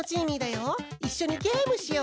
いっしょにゲームしよう！